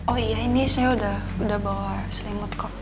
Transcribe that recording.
oh iya ini saya udah bawa selimut kok